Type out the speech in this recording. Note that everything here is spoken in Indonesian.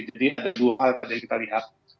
jadi ada dua hal tadi kita lihat